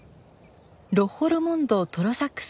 ロッホ・ロモンド＝トロサックス